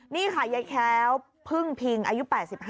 นี่ค่ะยายแค้วพึ่งพิงอายุ๘๕